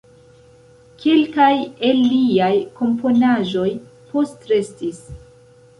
Kelkaj el liaj komponaĵoj postrestis.